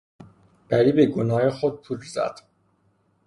پری به گونههای خود پودر زد.